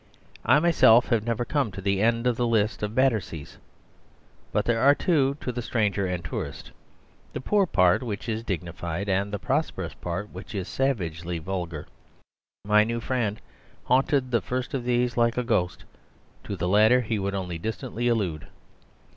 I myself have never come to the end of the list of Batterseas. But there are two to the stranger and tourist; the poor part, which is dignified, and the prosperous part, which is savagely vulgar. My new friend haunted the first of these like a ghost; to the latter he would only distantly allude.